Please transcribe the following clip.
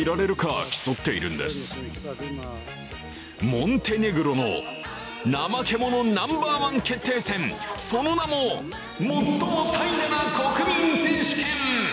モンテネグロの怠け者ナンバーワン決定戦、その名も最も怠惰な国民選手権。